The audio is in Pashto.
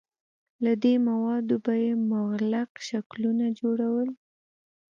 له دې موادو به یې مغلق شکلونه جوړول.